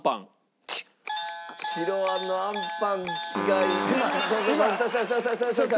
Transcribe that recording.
白あんのあんぱん違います。